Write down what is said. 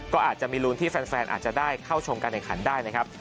ก็อาจจะมีรูนที่แฟนอาจจะได้เข้าชมการแข่งขันได้นะครับ